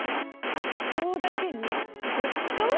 地層だけにごちそう？